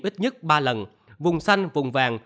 ít nhất ba lần vùng xanh vùng vàng